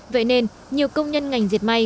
vậy nên nhiều công nhân ngành diệt may